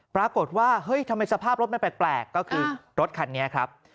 ปรากฏว่าเฮ้ยทำไมสภาพรถมันแปลกก็คือรถคันนี้ครับ